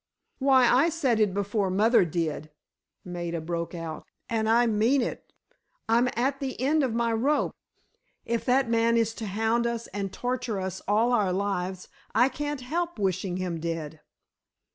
"Why, I said it before mother did!" Maida broke out. "And I mean it! I'm at the end of my rope. If that man is to hound us and torture us all our lives, I can't help wishing him dead."